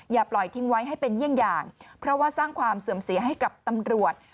อย่าปล่อยทิ้งไว้ให้เป็นเยี่ยงอย่างเพราะว่าสร้างความเสื่อมเสียให้กับตำรวจ